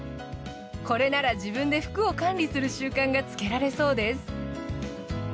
これなら自分で服を管理する習慣がつけられそうです。